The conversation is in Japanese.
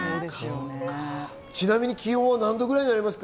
ちなみに気温は何度くらいになりますか？